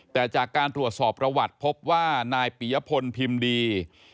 แต่จากการตรวจสอบประวัติพบว่านายปียพลพิมพ์ดี